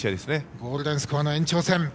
ゴールデンスコアの延長戦。